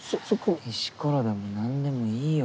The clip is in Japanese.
石ころでもなんでもいいよ